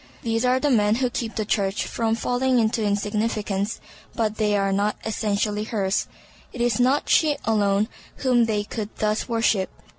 These are the men who keep the Church from falling into insignificance, but they are not essentially hers. It is not she alone whom they could thus worship.